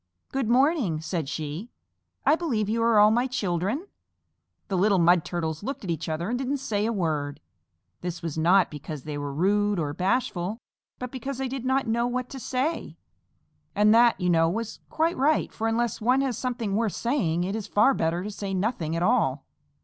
"Good morning," said she. "I believe you are my children?" The little Mud Turtles looked at each other and didn't say a word. This was not because they were rude or bashful, but because they did not know what to say. And that, you know, was quite right, for unless one has something worth saying, it is far better to say nothing at all.